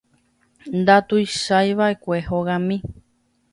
Ndatuichaiva'ekue hogami.